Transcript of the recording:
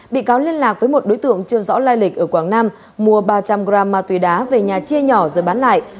bị cáo liên lạc với một đối tượng chưa rõ lai lịch ở quảng nam mua ba trăm linh gram ma túy đá về nhà chia nhỏ rồi bán lại